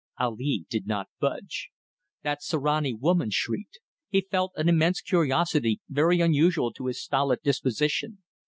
Ali did not budge. That Sirani woman shrieked! He felt an immense curiosity very unusual to his stolid disposition.